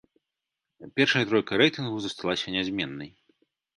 Першая тройка рэйтынгу засталася нязменнай.